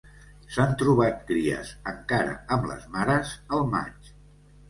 S'han trobat cries encara amb les mares al maig.